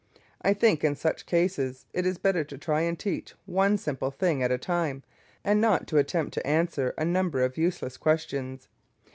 I think in such cases it is better to try and teach one simple thing at a time, and not to attempt to answer a number of useless questions.